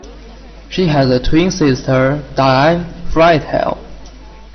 She has a twin sister Diane Fritel.